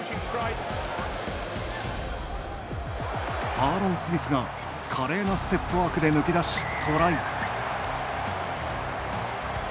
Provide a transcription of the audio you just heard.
アーロン・スミスが華麗なステップワークから抜け出し、トライ。